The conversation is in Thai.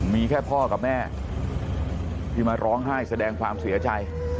มีแค่พ่อกับแม่ที่มาร้องไห้แสดงความเสียใจ